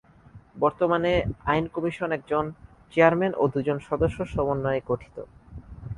বর্তমানে আইন কমিশন একজন চেয়ারম্যান ও দুজন সদস্য সমন্বয়ে গঠিত।